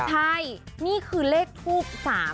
ใช่นี่คือเลขทูบ๓๕